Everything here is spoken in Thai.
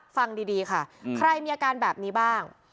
ฟังดีค่ะใครมีอาการแบบนี้บ้าง